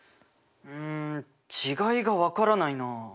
うん違いが分からないな。